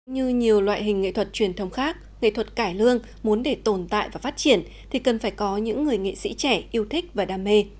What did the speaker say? như nhiều loại hình nghệ thuật truyền thống khác nghệ thuật cải lương muốn để tồn tại và phát triển thì cần phải có những người nghệ sĩ trẻ yêu thích và đam mê